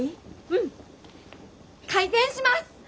うん！開店します！